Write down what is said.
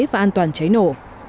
và an toàn cháy nổ